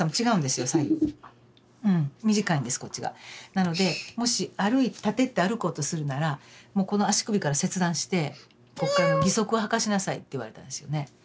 なのでもし立てって歩こうとするならもうこの足首から切断してこっから義足をはかしなさいって言われたんですよね。